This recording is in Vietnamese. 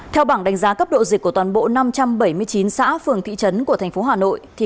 theo bảng đánh giá cấp độ dịch của toàn bộ năm trăm bảy mươi chín xã phường thị trấn của thành phố hà nội